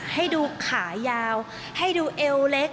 ให้ดูขายาวให้ดูเอวเล็ก